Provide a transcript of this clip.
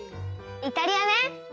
イタリアね。